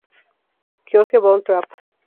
Georg von Trapp.